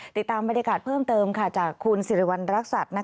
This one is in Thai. ติดตามบรรยากาศเพิ่มเติมจากคุณสิริวัณรักษัตริย์